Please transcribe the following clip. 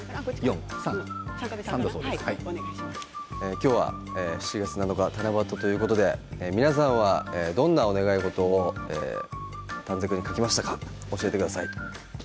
今日は７月７日七夕ということで皆さんはどんなお願い事を短冊に書きましたか教えてください。